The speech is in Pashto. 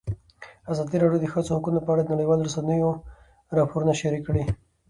ازادي راډیو د د ښځو حقونه په اړه د نړیوالو رسنیو راپورونه شریک کړي.